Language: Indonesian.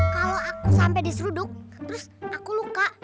kalau aku sampai diseruduk terus aku luka